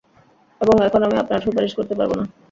এবং এখন আমি আপনার সুপারিশ করতে পারবো না।